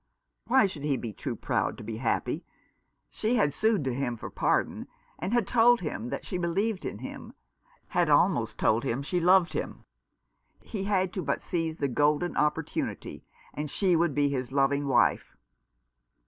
Why should he be too proud to be happy ? She had sued to him for pardon, had told him that she believed in him, had almost told him she loved him. He had but to seize the golden opportunity, and she would be his loving wife.